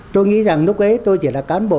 tôi nghĩ rằng lúc ấy tôi chỉ là cán bộ